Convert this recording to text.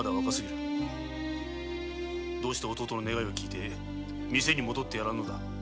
なぜ弟の願いを聞いて店に戻ってやらぬのだ？